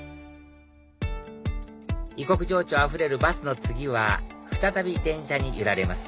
異国情緒あふれるバスの次は再び電車に揺られます